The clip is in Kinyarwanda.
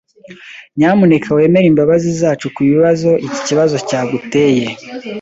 Nyamuneka wemere imbabazi zacu kubibazo iki kibazo cyaguteye.